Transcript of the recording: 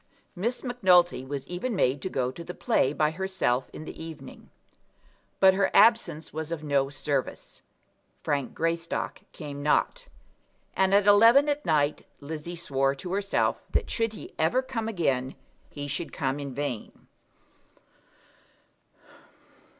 Miss Macnulty was even made to go to the play by herself in the evening. But her absence was of no service. Frank Greystock came not; and at eleven at night Lizzie swore to herself that should he ever come again, he should come in vain.